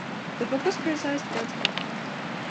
The book was criticized for its content.